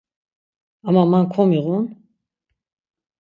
Ama man komiğun.